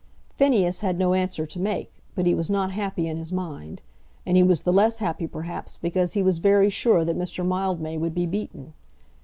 Phineas had no answer to make, but he was not happy in his mind. And he was the less happy, perhaps, because he was very sure that Mr. Mildmay would be beaten.